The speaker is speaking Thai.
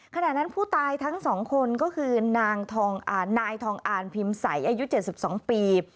ขณะนั้นผู้ตายทั้งสองคนก็คือนายทองอ่านพิมพ์ใสอายุ๗๒ปี